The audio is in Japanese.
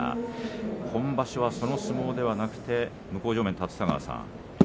今場所はそういう相撲ではなくて立田川さん